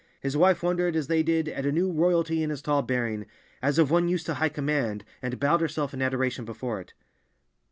His wife wondered, as they did, at a new royalty in his tall bearing, as of one used to high command, and bowed herself in adoration before it.